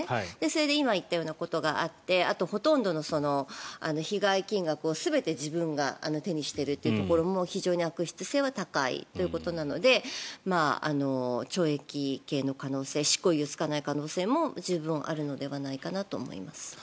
それで今、言ったようなことがあってあと、ほとんどの被害金額を全て自分が手にしているというところも非常に悪質性は高いということなので懲役刑の可能性執行猶予がつかない可能性も十分あるのではないかなと思います。